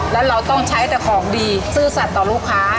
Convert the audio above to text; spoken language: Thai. แล้วเราต้องใช้แต่ของดีซื่อสัตว์ต่อลูกค้า